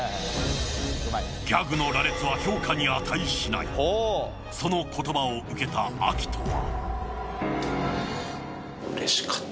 ギャグの羅列は評価に値しないその言葉を受けたアキトは。